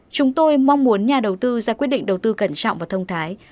chúng tôi mong muốn nhà đầu tư ra quyết định đầu tư cẩn trọng vào thông thái